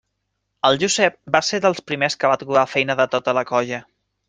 El Josep va ser dels primers que va trobar feina de tota la colla.